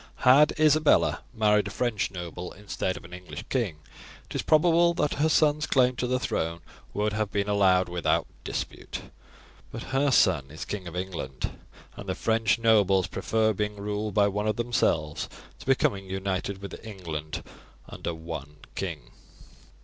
Had Isabella married a French noble instead of an English king it is probable that her son's claim to the throne would have been allowed without dispute, but her son is King of England, and the French nobles prefer being ruled by one of themselves to becoming united with England under one king.